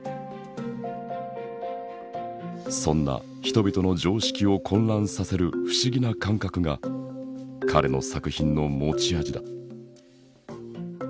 そんな人々の常識を混乱させる不思議な感覚が彼の作品の持ち味だ。